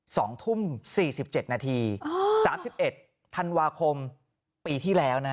สองทุ่มสี่สิบเจ็ดนาทีอ๋อสามสิบเอ็ดธันวาคมปีที่แล้วนะฮะ